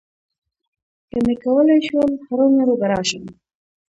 که مې کولای شول، هرومرو به راشم.